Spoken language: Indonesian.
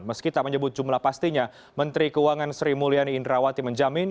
meskipun menyebut jumlah pastinya menteri keuangan sri mulyani indrawati menjamin